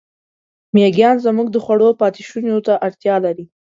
مېږیان زموږ د خوړو پاتېشونو ته اړتیا لري.